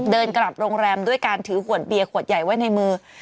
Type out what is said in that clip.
เดินกลับโรงแรมด้วยการถือขวดเบียร์ขวดใหญ่ไว้ในมือ